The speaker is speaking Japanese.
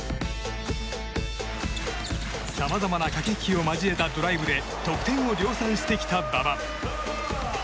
さまざまな駆け引きを交えたドライブで得点を量産してきた馬場。